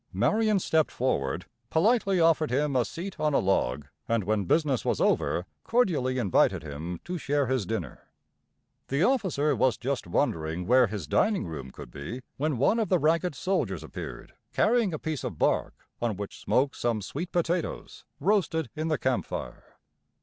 Marion stepped forward, politely offered him a seat on a log, and, when business was over, cordially invited him to share his dinner. The officer was just wondering where his dining room could be, when one of the ragged soldiers appeared, carrying a piece of bark on which smoked some sweet potatoes, roasted in the camp fire.